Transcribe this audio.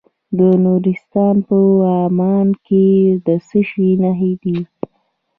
د نورستان په واما کې د څه شي نښې دي؟